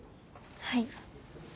はい。